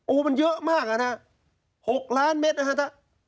โอ้มันเยอะมากนะ๖ล้านเมตรนะครับ